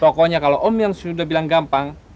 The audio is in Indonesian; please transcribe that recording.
pokoknya kalau om yang sudah bilang gampang